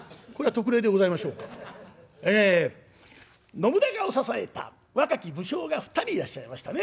信長を支えた若き武将が２人いらっしゃいましたね。